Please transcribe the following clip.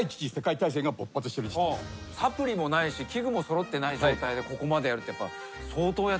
サプリもないし器具も揃ってない状態でここまでやるって相当やってきてますよね。